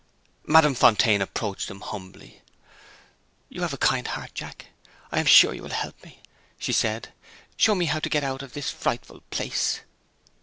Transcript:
Madame Fontaine approached him humbly. "You have a kind heart, Jack I am sure you will help me," she said. "Show me how to get out of this frightful place."